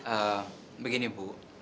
eh begini bu